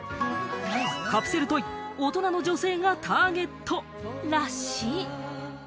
カプセルトイ大人の女性がターゲットらしい。